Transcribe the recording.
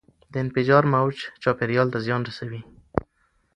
د انفجار موج چاپیریال ته زیان رسوي.